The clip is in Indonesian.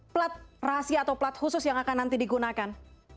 plat rahasia atau plat khusus yang akan nanti digunakan